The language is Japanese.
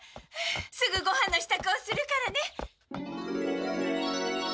すぐごはんの支度をするからね。